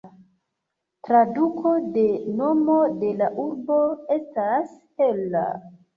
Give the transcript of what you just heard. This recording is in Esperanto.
Traduko de nomo de la urbo estas "hela".